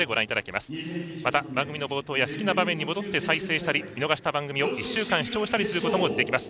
また番組の冒頭や好きな場面に戻って再生したり見逃した番組を１週間視聴したりすることもできます。